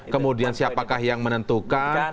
kemudian siapakah yang menentukan